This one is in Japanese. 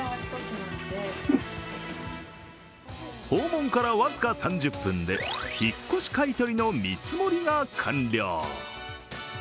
訪問から僅か３０分で、引っ越し買い取りの見積もりが完了。